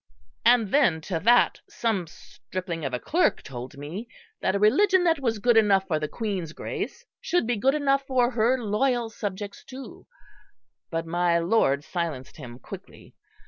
And then to that some stripling of a clerk told me that a religion that was good enough for the Queen's Grace should be good enough for her loyal subjects too; but my Lord silenced him quickly.